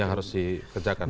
ya harus dikerjakan